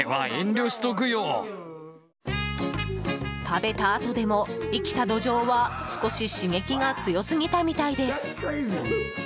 食べたあとでも生きたドジョウは少し刺激が強すぎたみたいです。